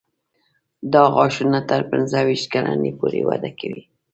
دا غاښونه تر پنځه ویشت کلنۍ پورې وده کوي.